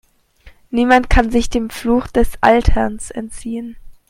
Niemand kann sich dem Fluch des Alterns entziehen.